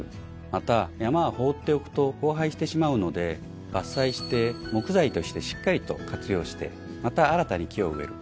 また山は放っておくと荒廃してしまうので伐採して木材としてしっかりと活用してまた新たに木を植える。